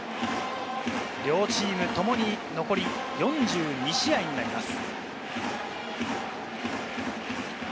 両チームともに残り４２試合になります。